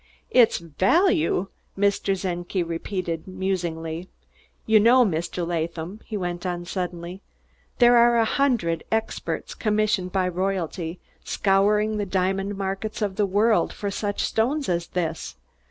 "Its value!" Mr. Czenki repeated musingly. "You know, Mr. Latham," he went on suddenly, "there are a hundred experts, commissioned by royalty, scouring the diamond markets of the world for such stones as this.